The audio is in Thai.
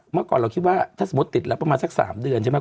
เมื่อก่อนเราคิดว่าถ้าสมมุติติดแล้วประมาณสัก๓เดือนใช่ไหม